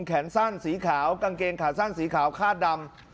แขนสั้นสีขาวกางเกงขาสั้นสีขาวคาดดำ